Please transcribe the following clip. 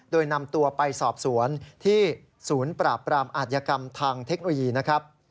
โดยนำตัวไปสอบสวนที่ศูนย์ปราบปรามอาธิกรรมทางเทคโนโลยีนะครับ